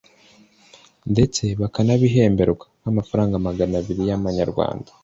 ndetse bakanabihemberwa nk’amafaranga magana abiri y’Amanyarwanda